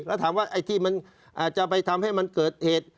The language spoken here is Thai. แล้วถามว่าไอ้ที่มันอาจจะไปทำให้มันเกิดเหตุ